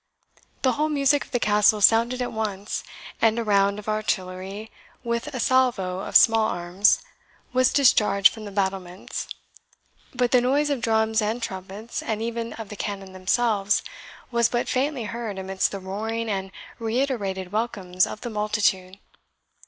The whole music of the Castle sounded at once, and a round of artillery, with a salvo of small arms, was discharged from the battlements; but the noise of drums and trumpets, and even of the cannon themselves, was but faintly heard amidst the roaring and reiterated welcomes of the multitude.